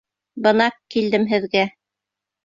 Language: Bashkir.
Бына килдем һеҙгә.